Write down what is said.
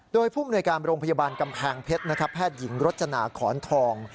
โดยผู้มนวยการโรงพยาบาลกำแพงเพชรแพทย์หญิงรจนาขอนทอง